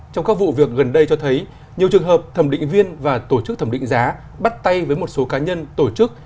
trong các vụ việc gần đây cho thấy nhiều trường hợp thẩm định viên và tổ chức thẩm định giá bắt tay với một số cá nhân tổ chức